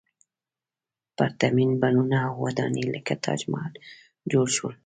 پرتمین بڼونه او ودانۍ لکه تاج محل جوړ شول.